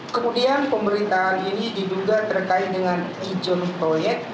kemudian pemerintahan ini diduga terkait dengan izin proyek